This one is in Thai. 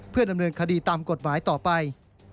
เพื่อดำเนินคดีตามกฎหมายต่อไป